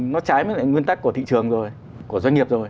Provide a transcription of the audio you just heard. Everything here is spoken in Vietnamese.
nó trái với lại nguyên tắc của thị trường rồi của doanh nghiệp rồi